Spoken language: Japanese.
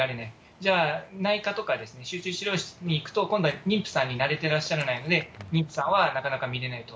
じゃあ、内科とか集中治療室に行くと、今度は妊婦さんに慣れてらっしゃらないので、妊婦さんはなかなか診れないと。